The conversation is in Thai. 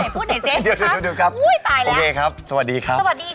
พูดหน่อยเซฟพูดค่ะตายแล้วโอเคครับสวัสดีครับสวัสดีค่ะ